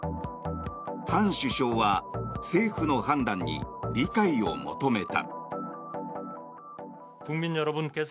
ハン首相は政府の判断に理解を求めた。